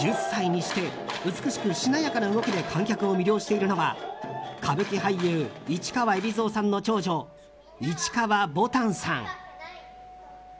１０歳にして美しくしなやかな動きで観客を魅了しているのは歌舞伎俳優・市川海老蔵さんの長女・市川ぼたんさん。